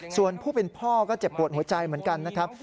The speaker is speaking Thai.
ส่วนผู้เป็นพ่อก็เจ็บปวดหัวใจเหมือนกันนะครับ